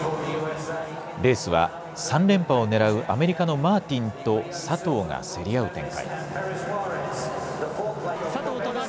レースは３連覇を狙うアメリカのマーティンと佐藤が競り合う展開に。